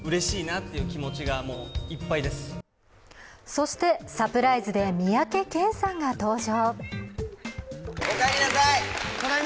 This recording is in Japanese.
そしてサプライズで三宅健さんが登場。